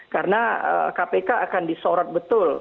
karena kpk akan disorot betul